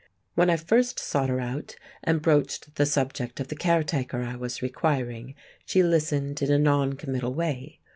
When I first sought her out and broached the subject of the caretaker I was requiring, she listened in a non committal way.